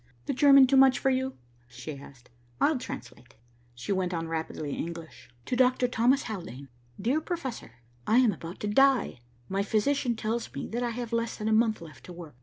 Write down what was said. "The German too much for you?" she asked. "I'll translate." She went on rapidly in English. "To Doctor Thomas Haldane. "Dear Professor: "I am about to die. My physician tells me that I have less than a month left to work.